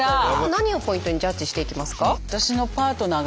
何をポイントにジャッジしていきますか？